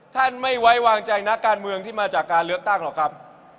ไม่ไว้วางใจนักการเมืองที่มาจากการเลือกตั้งหรอกครับ